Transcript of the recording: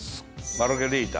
マルゲリータ。